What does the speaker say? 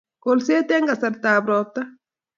Kolset eng kasartab ropta